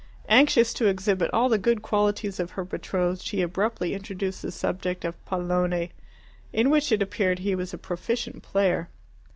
Anxious to exhibit all the good qualities of her betrothed, she abruptly introduced the subject of pallone, in which, it appeared, he was a proficient player.